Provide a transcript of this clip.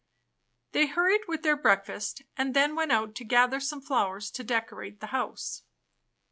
They hurried with their breakfast, and then went out to gather some flowers to decorate the house.